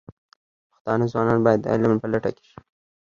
پښتانه ځوانان باید د علم په لټه کې شي.